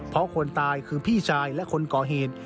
เพราะคนตายคือพี่ชายและคนก่อเหตุ